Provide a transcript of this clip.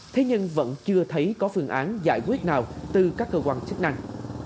thế nhưng vẫn chưa thấy có phương án giải quyết nào từ các cơ quan chức năng